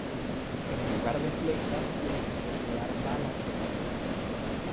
En lugar de flechas, tiene que sortear balas de cañón.